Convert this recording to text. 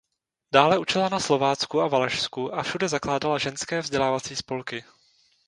Dále učila na Slovácku a Valašsku a všude zakládala ženské vzdělávací spolky.